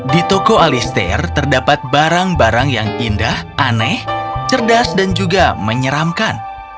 di toko alistair terdapat barang barang yang indah aneh cerdas dan juga menyeramkan